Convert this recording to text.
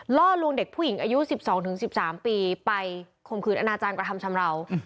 ล่อลวงเด็กผู้หญิงอายุ๑๒๑๓ปีไปข่มขืนอนาจารย์กระทำชำราว